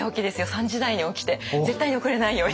３時台に起きて絶対に遅れないように。